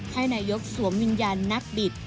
ให้นายกสวมวิญญาณนักบิด